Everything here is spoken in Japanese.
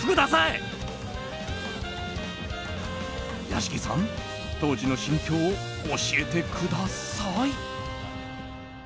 屋敷さん、当時の心境を教えてください。